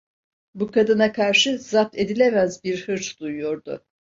Bu kadına karşı zapt edilemez bir hırs duyuyordu…